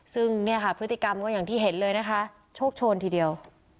ซึ่งเนี่ยค่ะพฤติกรรมก็อย่างที่เห็นเลยนะคะโชคโชนทีเดียว